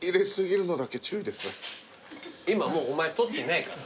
今もうお前撮ってないから。